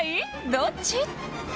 どっち？